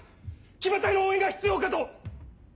騎馬隊の応援が必要かと！